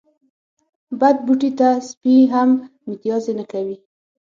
بد بوټي ته سپي هم متازې نه کوی.